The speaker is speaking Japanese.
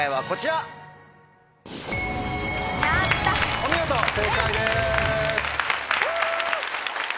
お見事正解です。